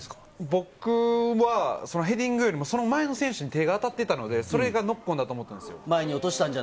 僕はヘディングよりも、その前の選手に手が当たってたので、それがノックオンだと思ったんですよ。